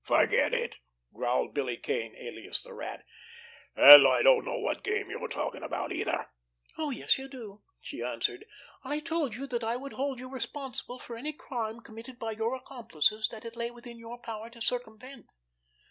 "Forget it!" growled Billy Kane, alias the Rat. "And I don't know what game you're talking about, either!" "Oh, yes, you do!" she answered. "I told you that I would hold you responsible for any crime committed by your accomplices that it lay within your power to circumvent.